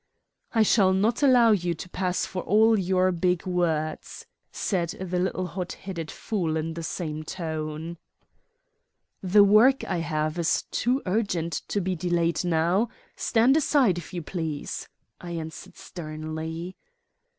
"I shall not allow you to pass for all your big words," said the little hot headed fool in the same tone. "The work I have is too urgent to be delayed now. Stand aside, if you please," I answered sternly.